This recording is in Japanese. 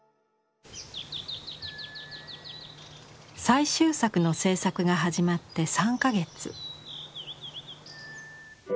最終作の制作が始まって３か月。